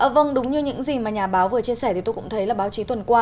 vâng đúng như những gì mà nhà báo vừa chia sẻ thì tôi cũng thấy là báo chí tuần qua